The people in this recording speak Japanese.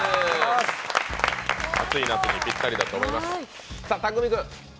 暑い夏にぴったりだと思います。